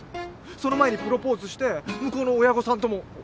その前にプロポーズして向こうの親御さんとも。